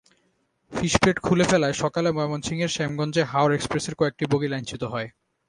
Fishplate খুলে ফেলায় সকালে ময়মনসিংহের শ্যামগঞ্জে হাওর এক্সপ্রেসের কয়েকটি বগি লাইনচ্যুত হয়।